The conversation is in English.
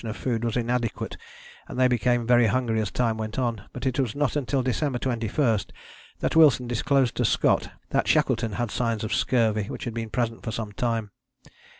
] The ration of food was inadequate and they became very hungry as time went on; but it was not until December 21 that Wilson disclosed to Scott that Shackleton had signs of scurvy which had been present for some time.